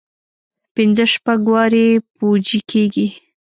پنځه شپږ وارې پوجي کېږي.